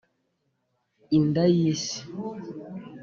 inda y isi